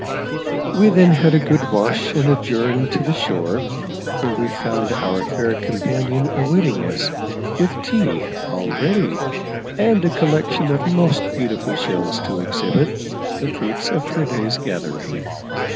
We then had a good wash and adjourned to the shore, where we found our fair companion awaiting us with tea all ready, and a collection of most beautiful shells to exhibit, the fruits of her day's gathering.